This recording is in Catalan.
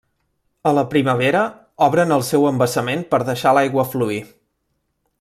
A la primavera, obren el seu embassament per deixar l'aigua fluir.